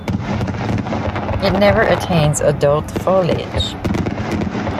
It never attains adult foliage.